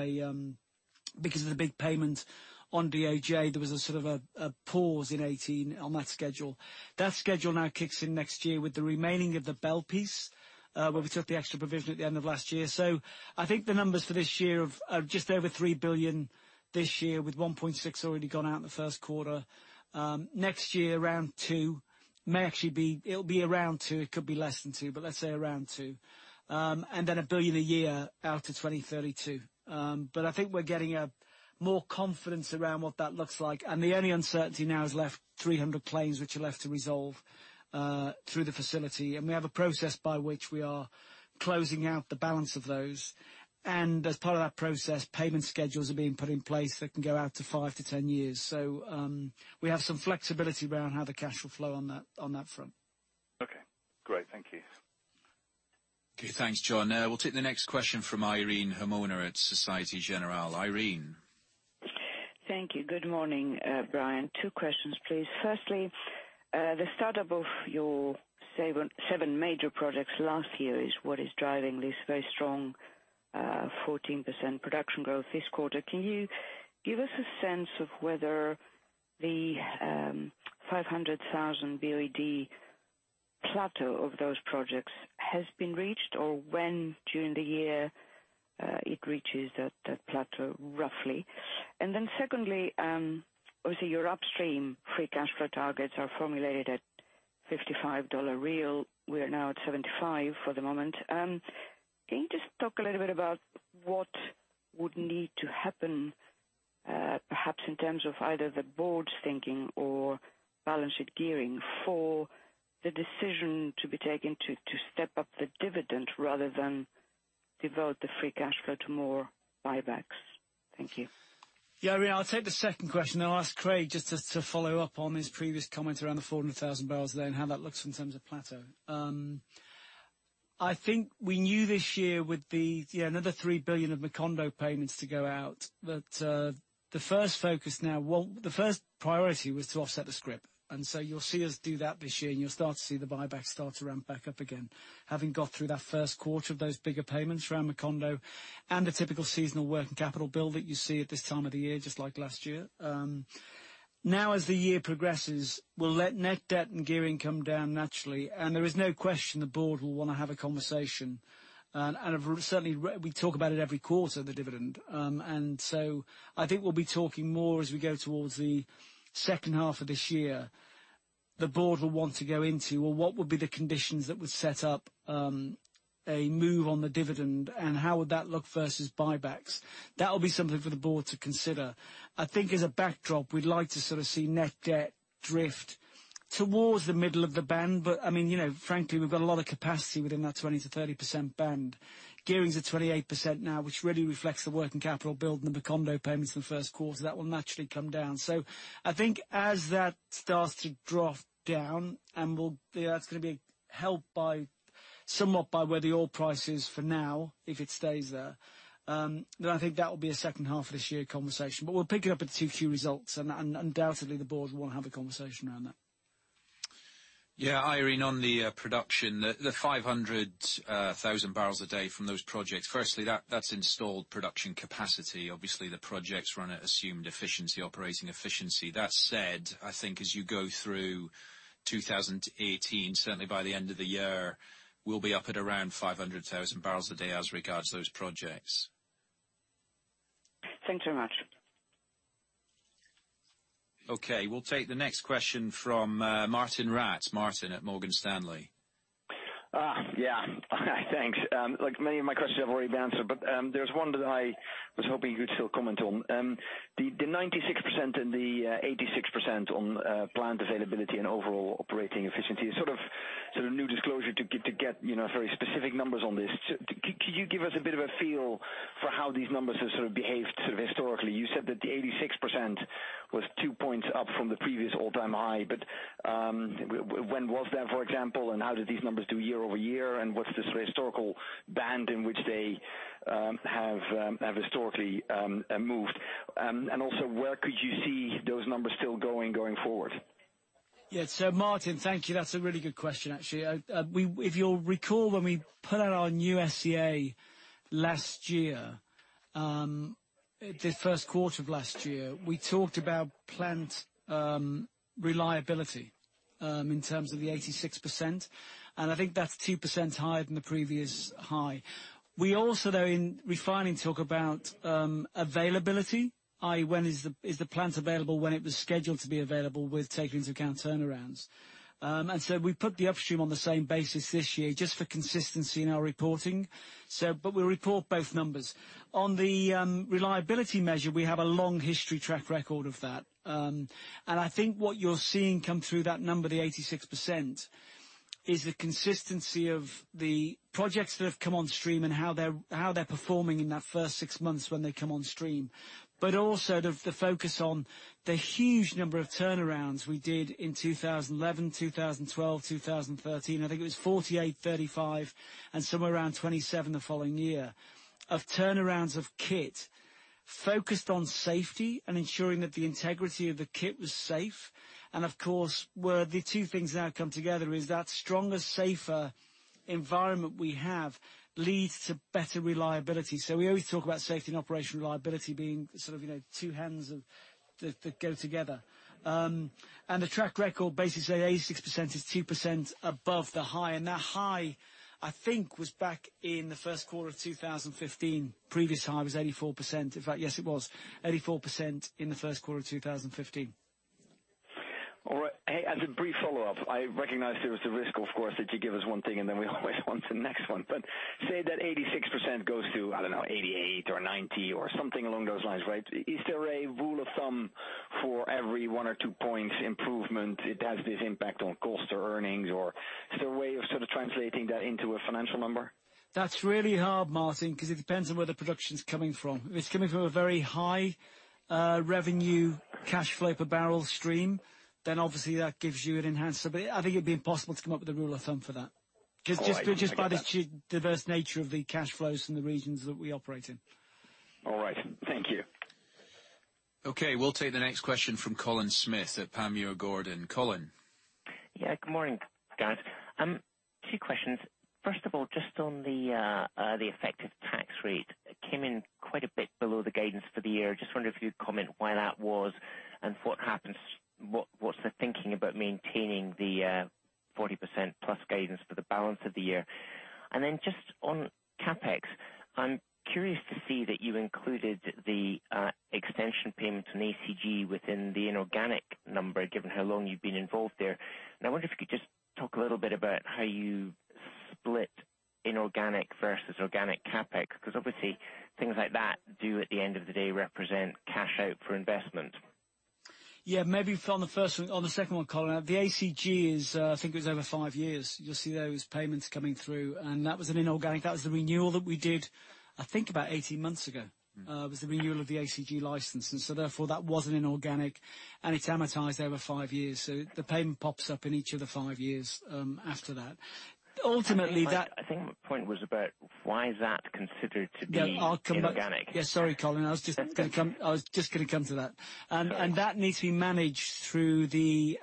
because of the big payment on DOJ, there was a sort of pause in 2018 on that schedule. That schedule now kicks in next year with the remaining of the BEL piece, where we took the extra provision at the end of last year. I think the numbers for this year of just over $3 billion this year, with $1.6 billion already gone out in the first quarter. Next year around $2 billion. It'll be around $2 billion. It could be less than $2 billion, but let's say around $2 billion. A billion a year out to 2032. I think we're getting more confidence around what that looks like. The only uncertainty now is left 300 claims which are left to resolve through the facility. We have a process by which we are closing out the balance of those. As part of that process, payment schedules are being put in place that can go out to 5-10 years. We have some flexibility around how the cash will flow on that front. Okay, great. Thank you. Okay. Thanks, Jon. We'll take the next question from Irene Himona at Societe Generale. Irene. Thank you. Good morning, Brian. Two questions, please. Firstly, the start-up of your seven major projects last year is what is driving this very strong 14% production growth this quarter. Can you give us a sense of whether the 500,000 BOED plateau of those projects has been reached? When during the year it reaches that plateau roughly? Secondly, obviously your upstream free cash flow targets are formulated at $55 real. We are now at $75 for the moment. Can you just talk a little bit about what would need to happen, perhaps in terms of either the board's thinking or balance sheet gearing for the decision to be taken to step up the dividend rather than devote the free cash flow to more buybacks? Thank you. Irene, I'll take the second question and I'll ask Craig just to follow up on his previous comment around the 400,000 barrels there and how that looks in terms of plateau. I think we knew this year would be another $3 billion of Macondo payments to go out. The first focus now, well, the first priority was to offset the scrip. You'll see us do that this year, and you'll start to see the buyback start to ramp back up again. Having got through that first quarter of those bigger payments around Macondo and the typical seasonal working capital build that you see at this time of the year, just like last year. Now as the year progresses, we'll let net debt and gearing come down naturally. There is no question the board will want to have a conversation. Certainly, we talk about it every quarter, the dividend. I think we'll be talking more as we go towards the second half of this year. The board will want to go into, well, what would be the conditions that would set up a move on the dividend and how would that look versus buybacks? That will be something for the board to consider. I think as a backdrop, we'd like to sort of see net debt drift towards the middle of the band. Frankly, we've got a lot of capacity within that 20%-30% band. Gearing's at 28% now, which really reflects the working capital build and the Macondo payments in the first quarter. That will naturally come down. I think as that starts to drop down, and that's going to be helped somewhat by where the oil price is for now, if it stays there, then I think that will be a second half of this year conversation. We'll pick it up at the 2Q results, and undoubtedly, the board will have a conversation around that. Irene, on the production, the 500,000 barrels a day from those projects. Firstly, that's installed production capacity. Obviously, the projects run at assumed efficiency, operating efficiency. That said, I think as you go through 2018, certainly by the end of the year, we'll be up at around 500,000 barrels a day as regards those projects. Thanks very much. We'll take the next question from Martijn Rats. Martijn at Morgan Stanley. Yeah. Thanks. Many of my questions have already been answered, there's one that I was hoping you could still comment on. The 96% and the 86% on plant availability and overall operating efficiency is sort of new disclosure to get very specific numbers on this. Can you give us a bit of a feel for how these numbers have behaved historically? You said that the 86% was two points up from the previous all-time high. When was that, for example, and how did these numbers do year-over-year, and what's the historical band in which they have historically moved? Also, where could you see those numbers still going forward? Martijn, thank you. That's a really good question, actually. If you'll recall, when we put out our new SCA last year, the first quarter of last year, we talked about plant reliability in terms of the 86%. I think that's 2% higher than the previous high. We also, though, in refining, talk about availability, i.e., is the plant available when it was scheduled to be available with take into account turnarounds. We put the upstream on the same basis this year just for consistency in our reporting. We report both numbers. On the reliability measure, we have a long history track record of that. I think what you're seeing come through that number, the 86%, is the consistency of the projects that have come on stream and how they're performing in that first six months when they come on stream. the focus on the huge number of turnarounds we did in 2011, 2012, 2013. I think it was 48, 35, and somewhere around 27 the following year of turnarounds of kit focused on safety and ensuring that the integrity of the kit was safe. Of course, where the two things now come together is that stronger, safer environment we have leads to better reliability. We always talk about safety and operational reliability being sort of two hands that go together. The track record, basically say 86% is 2% above the high. That high, I think, was back in the first quarter of 2015. Previous high was 84%. In fact, yes, it was 84% in the first quarter of 2015. All right. Hey, as a brief follow-up, I recognize there is the risk, of course, that you give us one thing and then we always want the next one. Say that 86% goes to, I don't know, 88 or 90 or something along those lines, right? Is there a rule of thumb for every one or two points improvement it has this impact on cost or earnings, or is there a way of sort of translating that into a financial number? That's really hard, Martijn, because it depends on where the production's coming from. If it's coming from a very high revenue cash flow per barrel stream, then obviously that gives you an enhancer. I think it'd be impossible to come up with a rule of thumb for that. All right. I get that. Just by the diverse nature of the cash flows from the regions that we operate in. All right. Thank you. Okay, we'll take the next question from Colin Smith at Panmure Gordon. Colin. Yeah, good morning, guys. Two questions. First of all, just on the effective tax rate. It came in quite a bit below the guidance for the year. Just wondering if you'd comment why that was and what's the thinking about maintaining the 40% plus guidance for the balance of the year. Then just on CapEx, I'm curious to see that you included the extension payments on ACG within the inorganic number, given how long you've been involved there. I wonder if you could just talk a little bit about how you split inorganic versus organic CapEx, because obviously things like that do, at the end of the day, represent cash out for investment. Yeah. Maybe on the second one, Colin. The ACG is, I think it was over five years. You'll see those payments coming through. That was an inorganic. That was the renewal that we did, I think about 18 months ago. It was the renewal of the ACG license. Therefore, that was an inorganic, and it's amortized over five years. The payment pops up in each of the five years after that. I think my point was about why is that considered to be inorganic? Yeah. Sorry, Colin. I was just gonna come to that. That's okay. That needs to be managed through the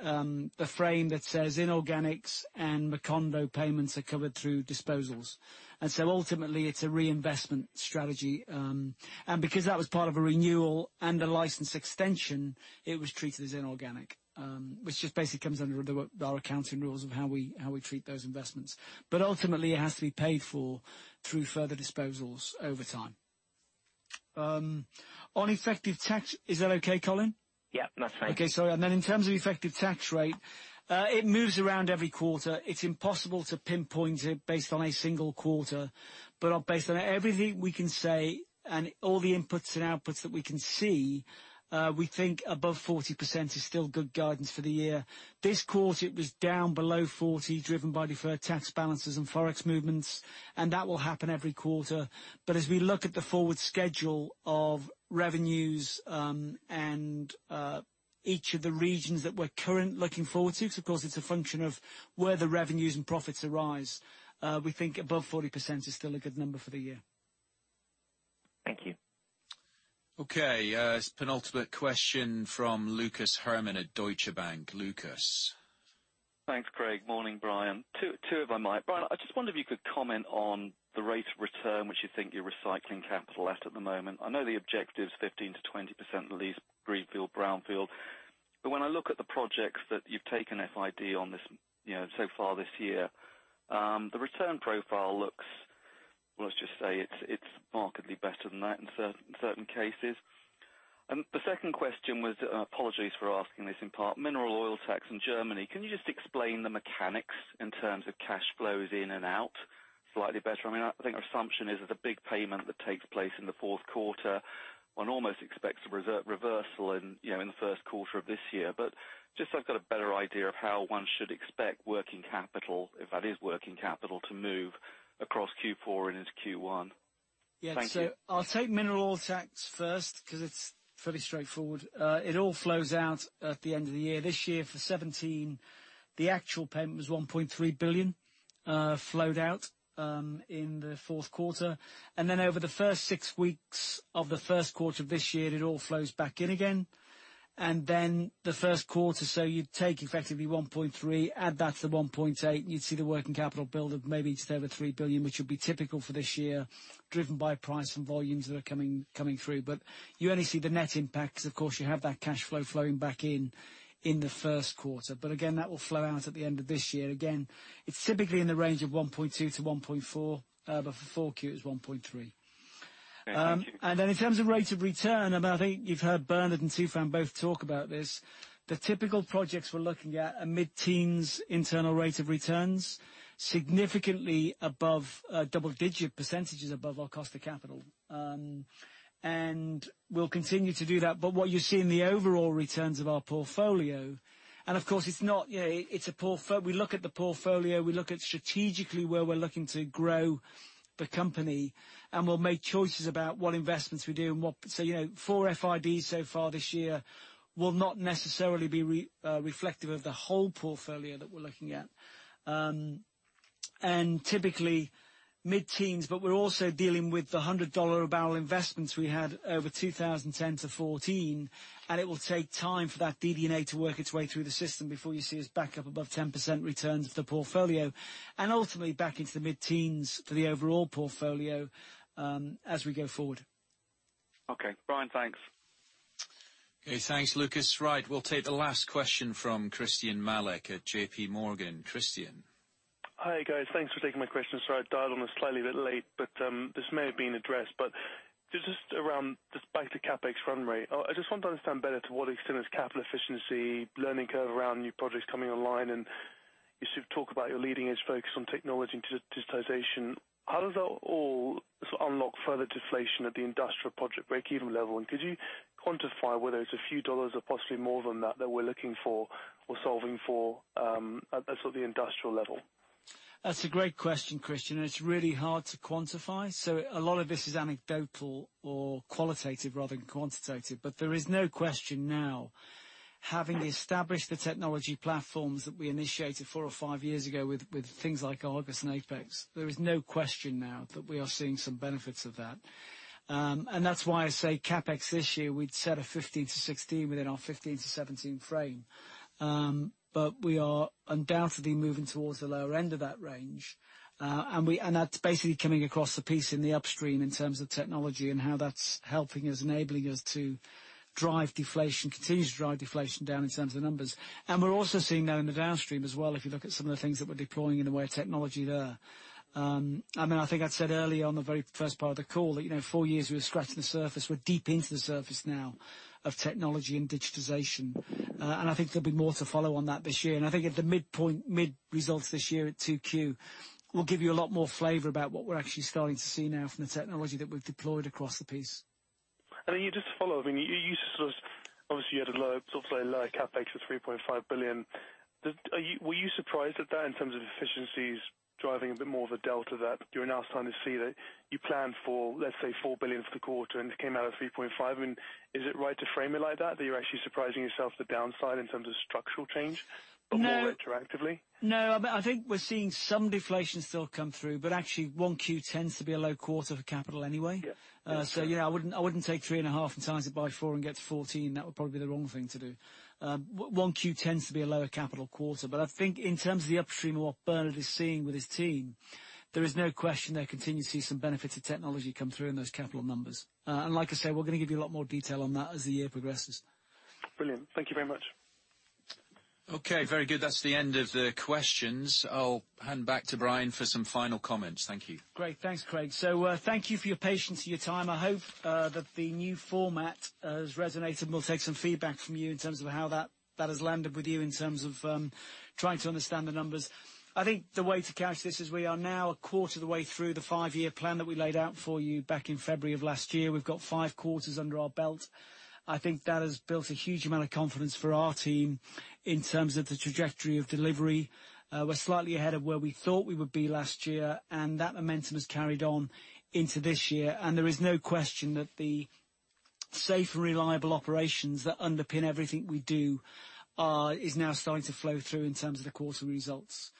frame that says inorganics and Macondo payments are covered through disposals. Ultimately, it's a reinvestment strategy. Because that was part of a renewal and a license extension, it was treated as inorganic. Which just basically comes under our accounting rules of how we treat those investments. Ultimately, it has to be paid for through further disposals over time. Is that okay, Colin? Yeah, that's fine. Okay. Sorry. Then in terms of effective tax rate, it moves around every quarter. It's impossible to pinpoint it based on a single quarter. Based on everything we can say and all the inputs and outputs that we can see, we think above 40% is still good guidance for the year. This quarter, it was down below 40%, driven by deferred tax balances and Forex movements, and that will happen every quarter. As we look at the forward schedule of revenues, and each of the regions that we're currently looking forward to, because of course it's a function of where the revenues and profits arise. We think above 40% is still a good number for the year. Thank you. Okay. Penultimate question from Lucas Herrmann at Deutsche Bank. Lucas. Thanks, Craig. Morning, Brian. Two, if I might. Brian, I just wonder if you could comment on the rate of return, which you think you're recycling capital at the moment. I know the objective's 15%-20% release greenfield, brownfield. When I look at the projects that you've taken FID on so far this year, the return profile looks, well, let's just say it's markedly better than that in certain cases. The second question was, apologies for asking this in part, mineral oil tax in Germany. Can you just explain the mechanics in terms of cash flows in and out slightly better? I think our assumption is that the big payment that takes place in the fourth quarter, one almost expects a reversal in the first quarter of this year. Just so I've got a better idea of how one should expect working capital, if that is working capital, to move across Q4 and into Q1. Thank you. Yeah. I'll take mineral oil tax first because it's fairly straightforward. It all flows out at the end of the year. This year, for 2017, the actual payment was $1.3 billion, flowed out in the fourth quarter. Over the first 6 weeks of the first quarter of this year, it all flows back in again. The first quarter, you'd take effectively $1.3 billion, add that to the $1.8 billion, and you'd see the working capital build of maybe just over $3 billion, which would be typical for this year, driven by price and volumes that are coming through. You only see the net impact because, of course, you have that cash flow flowing back in the first quarter. Again, that will flow out at the end of this year. Again, it's typically in the range of $1.2 billion-$1.4 billion. For 4Q, it was $1.3 billion. Okay. Thank you. In terms of rate of return, I think you've heard Bernard and Tufan both talk about this. The typical projects we're looking at are mid-teens internal rate of returns, significantly above double-digit percentages above our cost of capital. We'll continue to do that. What you see in the overall returns of our portfolio, of course we look at the portfolio, we look at strategically where we're looking to grow the company, and we'll make choices about what investments we do. 4 FIDs so far this year will not necessarily be reflective of the whole portfolio that we're looking at. Typically mid-teens, but we're also dealing with the $100 a barrel investments we had over 2010 to 2014, it will take time for that DD&A to work its way through the system before you see us back up above 10% returns of the portfolio. Ultimately back into the mid-teens for the overall portfolio as we go forward. Okay. Brian, thanks. Okay. Thanks, Lucas. Right. We'll take the last question from Christyan Malek at JP Morgan. Christyan. Hi, guys. Thanks for taking my question. Sorry, I've dialed on this slightly late. This may have been addressed, but just around, despite the CapEx run rate, I just want to understand better to what extent is capital efficiency learning curve around new projects coming online? You talk about your leading edge focus on technology and digitization. How does that all unlock further deflation at the industrial project breakeven level? Could you quantify whether it's a few dollars or possibly more than that that we're looking for or solving for at the industrial level? That's a great question, Christyan, it's really hard to quantify. A lot of this is anecdotal or qualitative rather than quantitative. There is no question now, having established the technology platforms that we initiated 4 or 5 years ago with things like ARGUS and APEX, there is no question now that we are seeing some benefits of that. That's why I say CapEx this year, we'd set a 15-16 within our 15-17 frame. We are undoubtedly moving towards the lower end of that range. That's basically coming across the piece in the upstream in terms of technology and how that's helping us, enabling us to drive deflation, continue to drive deflation down in terms of the numbers. We're also seeing that in the downstream as well, if you look at some of the things that we're deploying in the way of technology there. I think I said earlier on the very first part of the call that 4 years we were scratching the surface. We're deep into the surface now of technology and digitization. I think there'll be more to follow on that this year. I think at the midpoint mid-results this year at 2Q, we'll give you a lot more flavor about what we're actually starting to see now from the technology that we've deployed across the piece. You just follow up. Obviously, you had a low, let's say, lower CapEx of $3.5 billion. Were you surprised at that in terms of efficiencies driving a bit more of a delta that you're now starting to see that you planned for, let's say, $4 billion for the quarter and it came out at $3.5 billion? Is it right to frame it like that you're actually surprising yourself to the downside in terms of structural change- No More interactively? No. I think we're seeing some deflation still come through, actually 1Q tends to be a low quarter for capital anyway. Yeah. That's fair. I wouldn't take $3.5 and times it by four and get to $14. That would probably be the wrong thing to do. 1Q tends to be a lower capital quarter. I think in terms of the upstream and what Bernard is seeing with his team, there is no question there continue to see some benefits of technology come through in those capital numbers. Like I said, we're going to give you a lot more detail on that as the year progresses. Brilliant. Thank you very much. Okay. Very good. That's the end of the questions. I'll hand back to Brian for some final comments. Thank you. Great. Thanks, Craig. Thank you for your patience and your time. I hope that the new format has resonated, and we'll take some feedback from you in terms of how that has landed with you in terms of trying to understand the numbers. I think the way to couch this is we are now a quarter of the way through the five-year plan that we laid out for you back in February of last year. We've got five quarters under our belt. I think that has built a huge amount of confidence for our team in terms of the trajectory of delivery. We're slightly ahead of where we thought we would be last year, and that momentum has carried on into this year. There is no question that the safe and reliable operations that underpin everything we do is now starting to flow through in terms of the quarter results.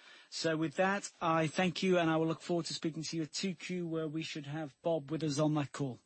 With that, I thank you, and I will look forward to speaking to you at 2Q, where we should have Bob with us on that call.